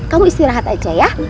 kamu istirahat aja ya